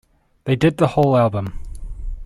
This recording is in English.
They did the whole album.